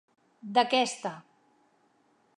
D'aquesta.